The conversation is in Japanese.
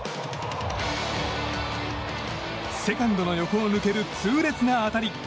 セカンドの横を抜ける痛烈な当たり。